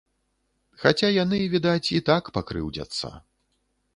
Хаця яны, відаць, і так пакрыўдзяцца.